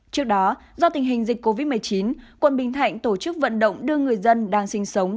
trước đó do tình hình dịch covid một mươi chín quận bình thạnh tổ chức vận động đưa người dân đang sinh sống